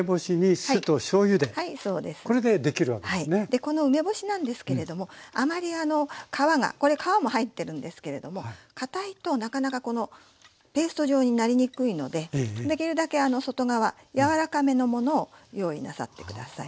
でこの梅干しなんですけれどもあまりあの皮がこれ皮も入ってるんですけれどもかたいとなかなかこのペースト状になりにくいのでできるだけ外側柔らかめのものを用意なさって下さい。